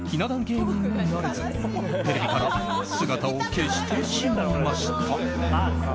芸人になれずテレビから姿を消してしまいました。